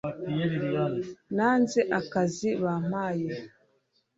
nanze akazi bampaye